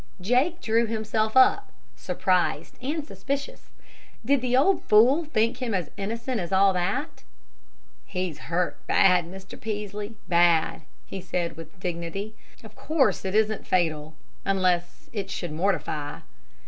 Jake drew himself up, surprised and suspicious. Did the old fool think him as innocent as all that? "He's hurt bad, Mr. Peaslee, bad," he said, with dignity. "Of course it isn't fatal unless it should mortify."